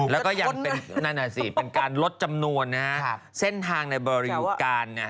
ถูกจะท้นนั่นแหละสิเป็นการลดจำนวนนะฮะแส่นทางในบริการ